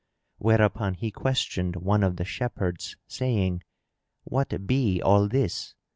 Whereupon he questioned one of the shepherds, saying, "What be all this?"